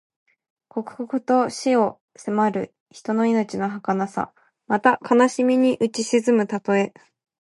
刻々と死に迫る人の命のはかなさ。また、悲しみにうち沈むたとえ。